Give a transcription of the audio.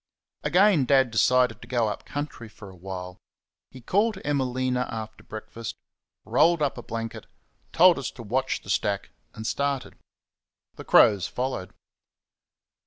Again Dad decided to go up country for a while. He caught Emelina after breakfast, rolled up a blanket, told us to watch the stack, and started. The crows followed.